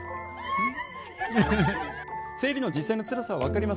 うん。